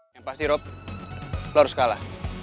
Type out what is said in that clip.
yang pasti rob lo harus kalah